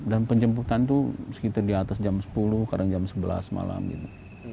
dan penjemputan itu sekitar di atas jam sepuluh kadang jam sebelas malam gitu